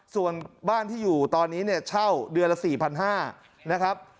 ส่วนบ้านที่อยู่ตอนนี้เนี่ยเช่าเดือนละ๔๕๐๐นะครับ